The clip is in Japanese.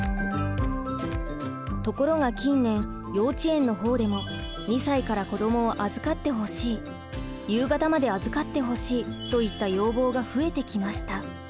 ところが近年幼稚園の方でも２歳から子どもを預かってほしい夕方まで預かってほしいといった要望が増えてきました。